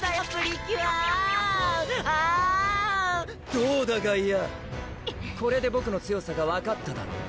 どうだ外野これでボクの強さが分かっただろう？